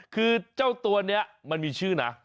คือเจ้าตัวนี้มันมีชื่อนะ